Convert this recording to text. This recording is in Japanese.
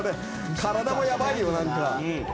体もやばいよ、何か。